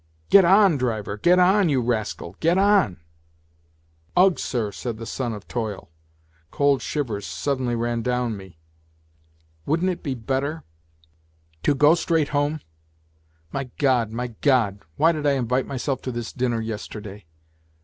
..." Get on, driver, get on, you rascal, get on !"" Ugh, sir !" said the son of toil. Cold shivers suddenly ran down me Wouldn't it be better 116 NOTES FROM UNDERGROUND ... to go straight home ? My God, my God ! Why did I invite myself to this dinner yesterday